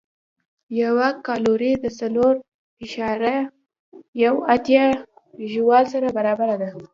یوه کالوري د څلور اعشاریه یو اتیا ژول سره برابره ده.